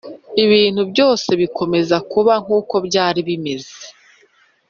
ibintu byose bikomeza kuba nkuko byari bimeze.